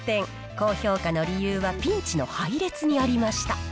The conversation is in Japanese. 高評価の理由はピンチの配列にありました。